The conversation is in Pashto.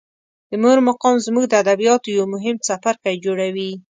د مور مقام زموږ د ادبیاتو یو مهم څپرکی جوړوي.